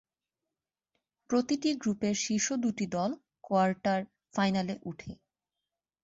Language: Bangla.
প্রতিটি গ্রুপের শীর্ষ দুটি দল কোয়ার্টার ফাইনালে উঠে।